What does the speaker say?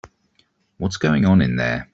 What's going on in there?